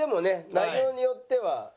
内容によっては。